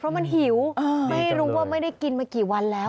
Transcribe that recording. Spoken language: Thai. เพราะมันหิวไม่รู้ว่าไม่ได้กินมากี่วันแล้ว